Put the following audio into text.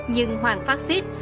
nhưng hoàng phát xít